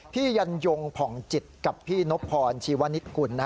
ยันยงผ่องจิตกับพี่นบพรชีวนิตกุล